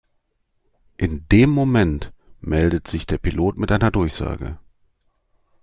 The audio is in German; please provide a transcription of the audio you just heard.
In dem Moment meldet sich der Pilot mit einer Durchsage.